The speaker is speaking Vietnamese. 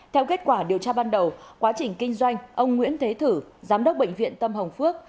theo kết quả điều tra ban đầu quá trình kinh doanh ông nguyễn thế thử giám đốc bệnh viện tâm hồng phước